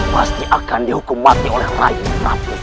pasti akan dihukum mati oleh rakyat